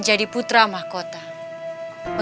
aduh sakit wak